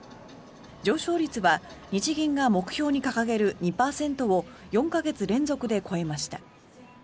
上昇率は日銀が目標に掲げる２％を４か月連続で超えました。